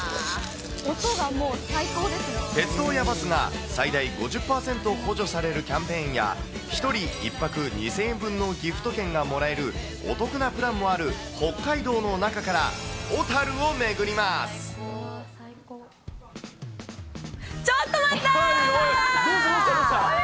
鉄道やバスが最大５０％補助されるキャンペーンや、１人１泊２０００円分のギフト券がもらえるお得なプランもある北ちょっと待った。